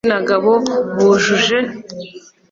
Cyangwa ab’igitsina gabo, bujuje